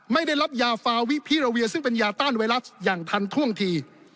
ไม่ได้รับยาฟาวิพิราเวียซึ่งเป็นยาต้านไวรัสอย่างทันท่วงที